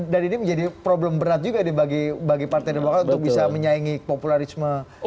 dan ini menjadi problem berat juga bagi partai demokrat untuk bisa menyaingi populisme trump